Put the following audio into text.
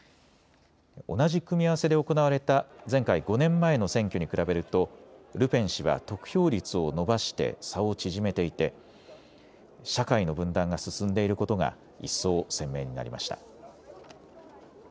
同じ組み合わせで行われた前回５年前の選挙に比べるとルペン氏は得票率を伸ばして差を縮めていて社会の分断が進んでいることが一層、鮮明になりました。